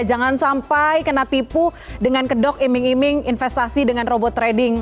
jangan sampai kena tipu dengan kedok iming iming investasi dengan robot trading